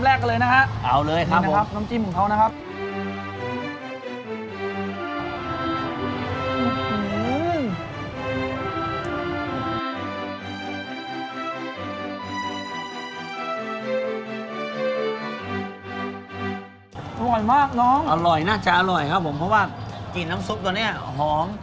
อร่อยมากน้องอร่อยน่าจะอร่อยครับผมเพราะว่ากลิ่นน้ำซุปตัวเนี้ยหอม